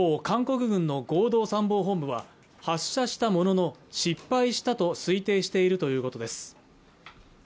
韓国軍の合同参謀本部は発射したものの失敗したと推定しているということです